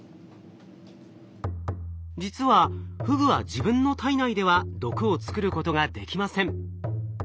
実はフグは自分の体内では毒を作ることができません。